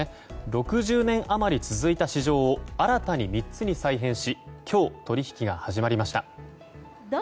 ６０年余り続いた市場を新たに３つに再編し今日、取引が始まりました。